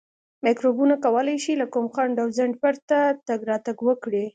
میکروبونه کولای شي له کوم خنډ او ځنډ پرته تګ راتګ وکړي.